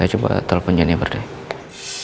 aku coba telepon jen ya berdua